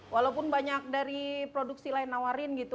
walaupun banyak dari produksi lain nawarin gitu